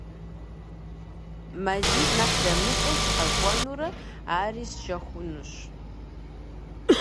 МазитӀ нэхъ дэмыкӀыу сыкъэкӀуэнурэ ари сщэхунущ.